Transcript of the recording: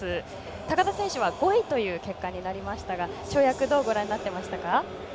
高田選手は５位という結果になりましたが跳躍、どうご覧になってましたか。